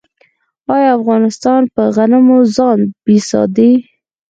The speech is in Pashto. آیا افغانستان په غنمو ځان بسیا دی؟